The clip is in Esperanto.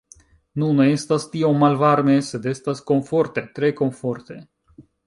Nu, ne estas tiom malvarme sed estas komforte tre komforte